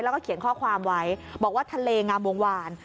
แล้วก็เขียนข้อความไว้บอกว่าทะเลงามวงวาน